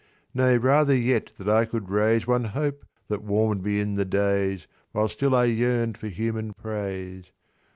"Nay—rather yet that I could raise One hope that warm'd me in the days While still I yearn'd for human praise.